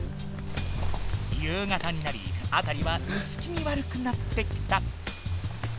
夕方になりあたりはうすきみわるくなってきた。